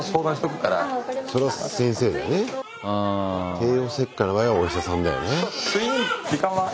帝王切開の場合はお医者さんだよね。